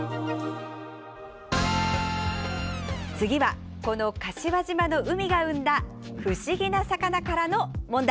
次はこの柏島の海が生んだ不思議な魚からの問題！